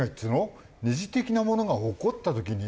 二次的なものが起こった時にね